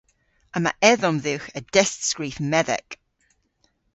Yma edhom dhywgh a destskrif medhek.